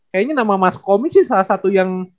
kayaknya nama mas koming sih salah satu yang